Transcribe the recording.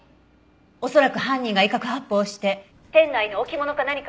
恐らく犯人が威嚇発砲して店内の置物か何かが壊れたのね。